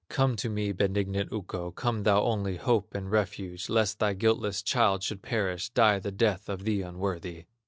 Come to me, benignant Ukko, Come, thou only hope and refuge, Lest thy guiltless child should perish, Die the death of the unworthy!"